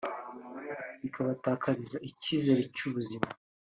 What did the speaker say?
bikabatakariza icyizere cy’ubuzima